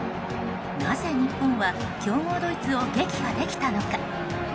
なぜ日本は強豪ドイツを撃破できたのか。